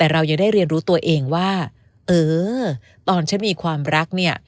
แต่เรายังได้เรียนรู้ตัวเองว่าเออตอนฉันมีความรักเนี่ย